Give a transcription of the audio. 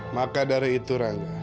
maka dari itu rangga